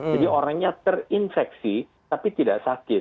jadi orangnya terinfeksi tapi tidak sakit